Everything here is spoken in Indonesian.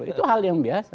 itu hal yang biasa